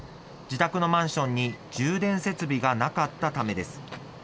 自宅のマンションに充電設備がなかったためです。